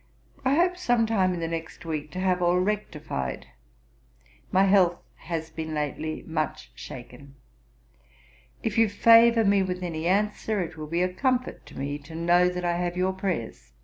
I hope, some time in the next week, to have all rectified. My health has been lately much shaken: if you favour me with any answer, it will be a comfort to me to know that I have your prayers.